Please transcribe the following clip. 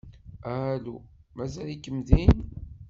Alu? Mazal-ikem din?